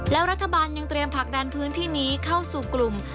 แล้วรัฐบาลยังเตรียมผลักดันพื้นที่นี้เข้าสู่กลุ่ม